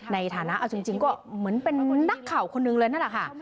ในฐานะเอาจริงก็เหมือนเป็นนักข่าวคนหนึ่งเลยนั่นแหละค่ะ